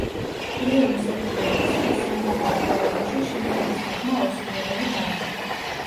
პირველი მსოფლიო ომის დროს სამხედრო რეალობაში შლიფენის გეგმა აუსრულებელი დარჩა.